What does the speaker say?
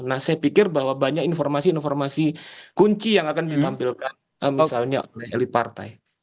nah saya pikir bahwa banyak informasi informasi kunci yang akan ditampilkan misalnya oleh elit partai